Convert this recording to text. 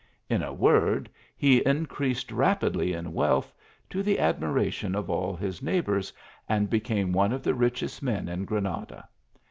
In a word, he increased rapidly in wealth, to the admiration of all his neighbours, and became one of the richest men in Granada.